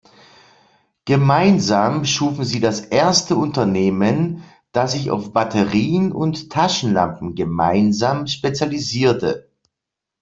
Gemeinsam schufen sie das erste Unternehmen, das sich auf Batterien und Taschenlampen gemeinsam spezialisierte.